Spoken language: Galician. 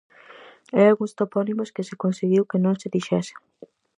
Hai algúns topónimos que se conseguiu que non se dixesen.